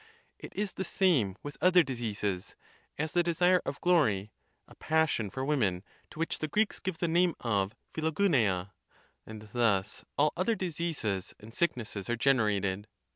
It is the same with other diseases; as the desire of glory, a passion for women, to which the Greeks give the name of g:Aoyuveia: and thus all other diseases and sicknesses are generated.